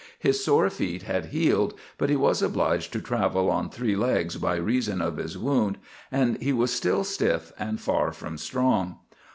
His sore feet had healed, but he was obliged to travel on three legs by reason of his wound, and he was still stiff and far from strong.